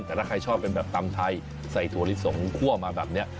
แต่ถ้าใครชอบเป็นแบบตำไทยใส่ถั่วลิสงคั่วมาแบบนี้